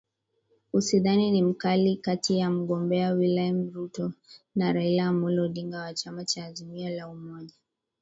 ushindani ni mkali kati ya mgombea William Ruto na Raila Amollo Odinga wa chama cha Azimio la Umoja